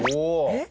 えっ？